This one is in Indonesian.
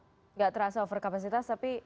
tidak terasa overkapasitas tapi ada